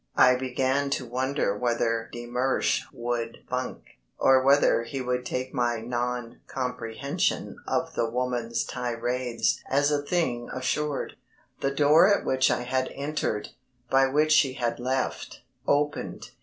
I began to wonder whether de Mersch would funk, or whether he would take my non comprehension of the woman's tirades as a thing assured. The door at which I had entered, by which she had left, opened.